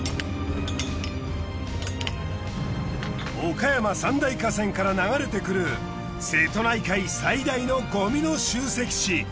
岡山三大河川から流れてくる瀬戸内海最大のごみの集積地。